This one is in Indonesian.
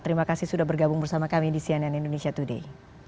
terima kasih sudah bergabung bersama kami di cnn indonesia today